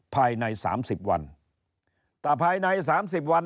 ภายใน๓๐วัน